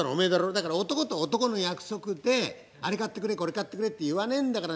「だから男と男の約束であれ買ってくれこれ買ってくれって言わねえんだから。